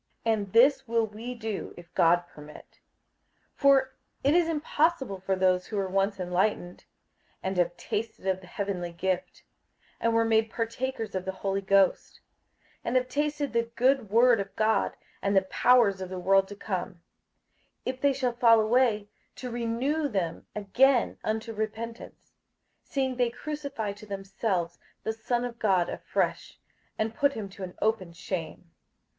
58:006:003 And this will we do, if God permit. 58:006:004 For it is impossible for those who were once enlightened, and have tasted of the heavenly gift, and were made partakers of the Holy Ghost, 58:006:005 And have tasted the good word of God, and the powers of the world to come, 58:006:006 If they shall fall away, to renew them again unto repentance; seeing they crucify to themselves the Son of God afresh, and put him to an open shame.